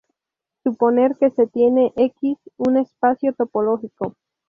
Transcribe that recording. Suponer que se tiene "X", un espacio topológico.